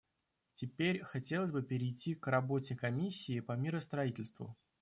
Теперь хотелось бы перейти к работе Комиссии по миростроительству.